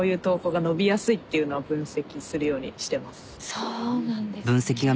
そうなんですね。